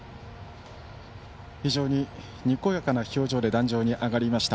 非常ににこやかな表情で壇上に上がりました。